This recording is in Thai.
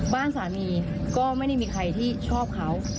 บ้านสามีก็ไม่ได้มีใครที่ชอบเขา